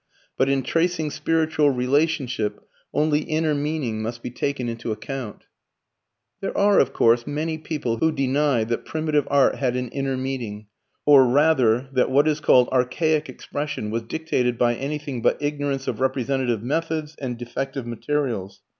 But in tracing spiritual relationship only inner meaning must be taken into account. There are, of course, many people who deny that Primitive Art had an inner meaning or, rather, that what is called "archaic expression" was dictated by anything but ignorance of representative methods and defective materials.